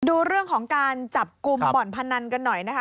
ดูเรื่องของการจับกลุ่มบ่อนพนันกันหน่อยนะคะ